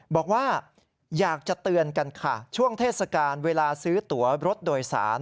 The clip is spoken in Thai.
บอกว่าอยากจะเตือนกันค่ะช่วงเทศกาลเวลาซื้อตัวรถโดยสาร